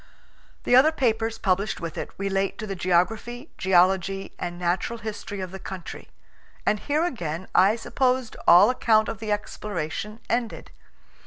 The other papers published with it relate to the geography, geology, and natural history of the country. And here again I supposed all account of the exploration ended.